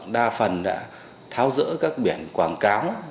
đa phần đã tháo rỡ các biển quảng cáo